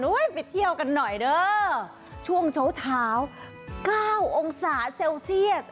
ไปเที่ยวกันหน่อยเด้อช่วงเช้า๙องศาเซลเซียส